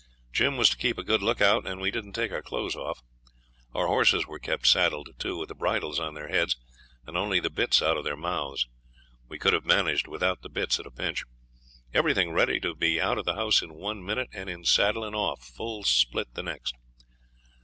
Jim was to keep a good look out, and we didn't take off our clothes. Our horses were kept saddled, too, with the bridles on their heads, and only the bits out of their mouths we could have managed without the bits at a pinch everything ready to be out of the house in one minute, and in saddle and off full split the next.